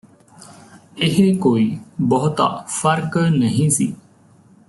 ਇਹ ਕੋਈ ਬਹੁਤਾ ਫਰਕ ਨਹੀਂ ਸੀ